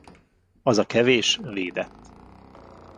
Az a kevés védett.